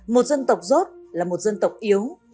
một dân tộc rốt là một dân tộc yếu